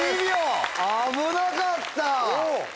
危なかった！